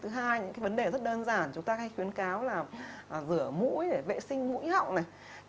thứ hai những cái vấn đề rất đơn giản chúng ta hay khuyến cáo là rửa mũi để vệ sinh mũi họng này